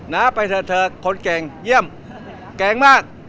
นะไปเถอะเถอะคนแกร่งเยี่ยมแกร่งมาก